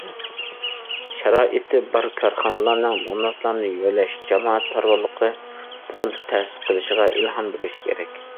شارائىتى بار كارخانىلارنىڭ نامراتلارنى يۆلەش جامائەت پاراۋانلىقى فوندى تەسىس قىلىشىغا ئىلھام بېرىش كېرەك.